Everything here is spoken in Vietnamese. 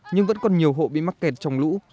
nhưng vẫn còn nhiều hộ bị mắc kẹt trong lũ